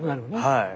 はい。